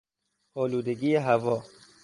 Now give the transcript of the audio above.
آلودگی هوا